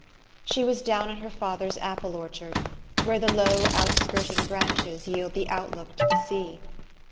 She was down in her father's apple orchard, where the low, outskirting branches yield the outlook to the sea.